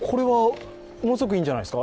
ものすごくいいんじゃないですか